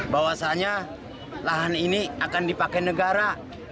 bahwasannya lahan ini akan dipakai negara